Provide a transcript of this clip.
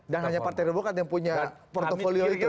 dan hanya partai yang dibawakan yang punya portfolio itu ya